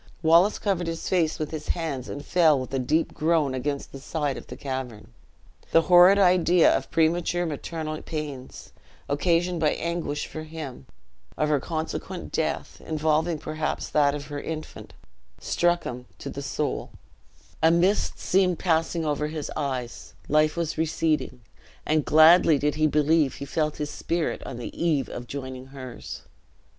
Wallace covered his face with his hands and fell with a deep groan against the side of the cavern. The horrid idea of premature maternal pains, occasioned by anguish for him; of her consequent death, involving perhaps that of her infant, struck him to the soul; a mist seemed passing over his eyes; life was receding; and gladly did he believe he felt his spirit on the eve of joining hers.